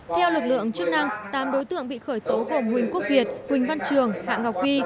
theo lực lượng chức năng tám đối tượng bị khởi tố gồm huỳnh quốc việt huỳnh văn trường hạ ngọc vi